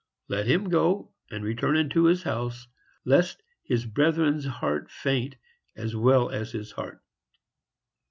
Let him go and return unto his house, lest his brethren's heart faint, as well as his heart."